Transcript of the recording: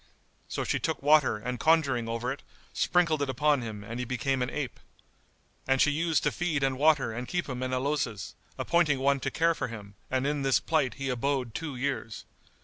So she took water and conjuring over it, sprinkled it upon him and he became an ape. And she used to feed and water and keep him in a closet, appointing one to care for him; and in this plight he abode two years.